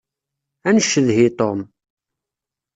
Ad ncedhi Tom.